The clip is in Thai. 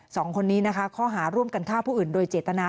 สองคนนี้นะคะข้อหาร่วมกันฆ่าผู้อื่นโดยเจตนา